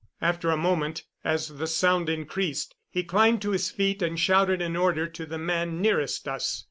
After a moment, as the sound increased, he climbed to his feet and shouted an order to the man nearest us.